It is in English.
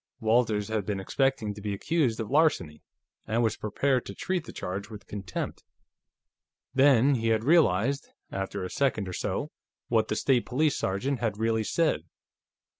Walters had been expecting to be accused of larceny, and was prepared to treat the charge with contempt. Then he had realized, after a second or so, what the State Police sergeant had really said.